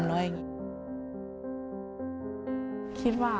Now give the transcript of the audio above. พ่อลูกรู้สึกปวดหัวมาก